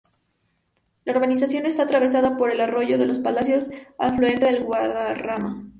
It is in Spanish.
La urbanización está atravesada por el arroyo de los Palacios, afluente del Guadarrama.